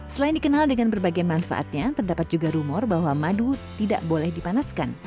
selain dikenal dengan berbagai manfaatnya terdapat juga rumor bahwa madu tidak boleh dipanaskan